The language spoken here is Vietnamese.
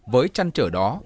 với trăn trở đó